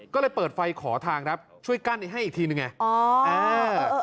ก็เลยเปิดไฟขอทางช่วยกั้นให้อีกทีหนึ่งไง